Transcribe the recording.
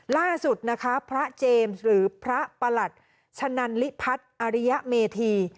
ล่าสุดนะคะพระเจมส์หรือพระประหลัดชะนันลิพัฒน์อริยเมธี